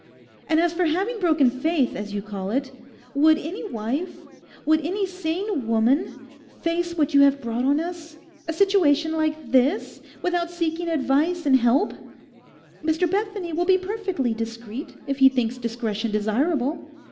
And as for having broken faith, as you call it, would any wife, would any sane woman face what you have brought on us, a situation like this, without seeking advice and help? Mr Bethany will be perfectly discreet—if he thinks discretion desirable.